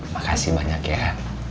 makasih banyak ya